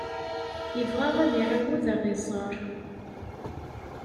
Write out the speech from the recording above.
Yebɣa ad iɛawed ad ɣ-iẓer.